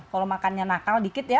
kalau makannya nakal sedikit ya tiga ratus